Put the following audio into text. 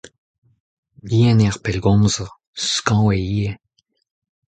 Bihan eo ar pellgomzer, skañv eo ivez.